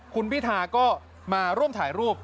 คุณพิธาก็มาร่วมถ่ายรูป